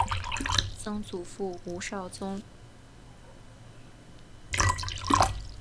曾祖父吴绍宗。